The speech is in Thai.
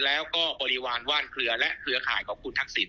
แล้วก็บริวารว่านเครือและเครือข่ายของคุณทักษิณ